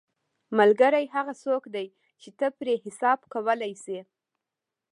ملګری هغه څوک دی چې ته پرې حساب کولی شې.